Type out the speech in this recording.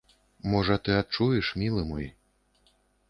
Можа, ты адчуеш, мілы мой.